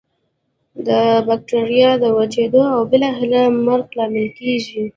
دا د بکټریا د وچیدو او بالاخره مرګ لامل کیږي.